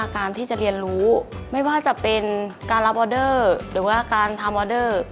การรับออเดอร์หรือว่าการทำออเดอร์